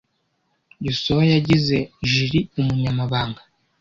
Yosuwa yagize Jill umunyamabanga.